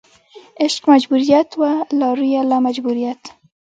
عشق مجبوریت وه لارویه لا جواب مجبوریت